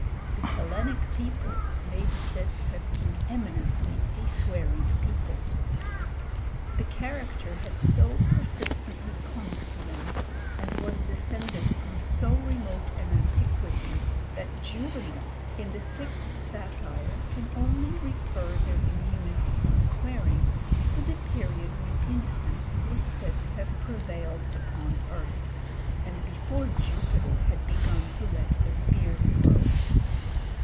The Hellenic people may be said to have been eminently a swearing people. The character had so persistently clung to them, and was descended from so remote an antiquity, that Juvenal, in the Sixth Satire, can only refer their immunity from swearing to the period when innocence was said to have prevailed upon earth and before Jupiter had begun to let his beard grow.